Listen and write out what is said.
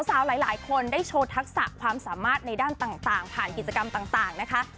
สาวหลายคนได้โชว์ทักษะความสามารถในด้านต่างผ่านกิจกรรมต่างนะคะ